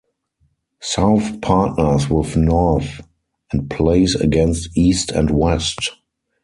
South partners with North and plays against East and West.